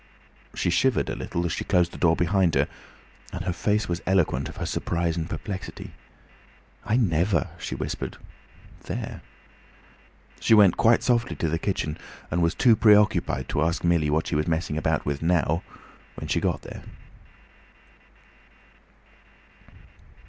She shivered a little as she closed the door behind her, and her face was eloquent of her surprise and perplexity. "I never," she whispered. "There!" She went quite softly to the kitchen, and was too preoccupied to ask Millie what she was messing about with now, when she got there.